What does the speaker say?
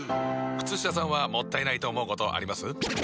靴下さんはもったいないと思うことあります？